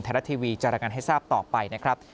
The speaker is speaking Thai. แทรฟทีวีจรากันให้ทราบต่อไปนะครับ